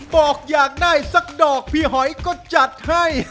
บอกอยากได้สักดอกพี่หอยก็จัดให้